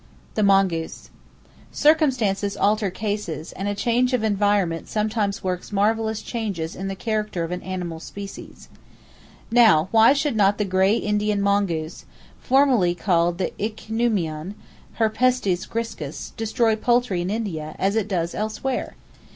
The Mongoose. —Circumstances alter cases, and a change of environment sometimes works marvelous changes in the character of an animal species. Now, why should not the gray Indian mongoose (formerly called the ichneumon, (Herpestes griscus)) destroy poultry in India, as it does elsewhere?